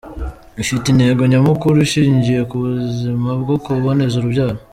Ifite intego nyamukuru ishingiye ku buzima bwo kuboneza urubyaro.